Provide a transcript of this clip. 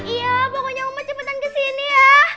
iya pokoknya umat cepetan kesini ya